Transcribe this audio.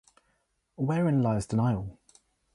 Wherein lies denial?